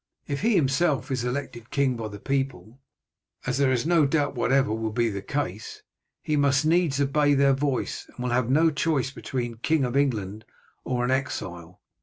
If he himself is elected king by the people, as there is no doubt whatever will be the case, he must needs obey their voice, and will have no choice between being King of England or an exile.